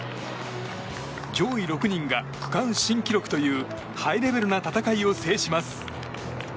上位６人が区間新記録というハイレベルな戦いを制します。